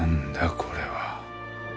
これは。